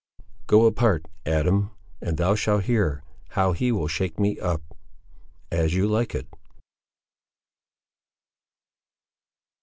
CHAPTER X Go apart, Adam, and thou shalt hear How he will shake me up. —As you like it.